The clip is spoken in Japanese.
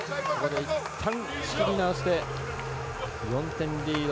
いったん仕切り直して４点リード。